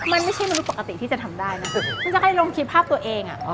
มันไม่ใช่มนุษย์ปกติที่จะทำได้นะฉันจะให้ลงคลิปภาพตัวเอง